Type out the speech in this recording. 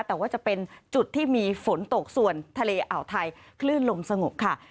แต่ว่าจะเป็นจุดที่มีฝนตกส่วนทะเลอ่าวไทยคลื่นลมสงบค่ะ